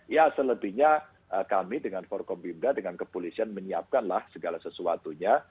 ya selebihnya kami dengan forkombimda dengan kepolisian menyiapkanlah segala sesuatunya